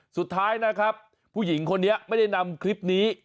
สุดท้ายนะครับผู้หญิงคนนี้ไม่ได้นำคลิปนี้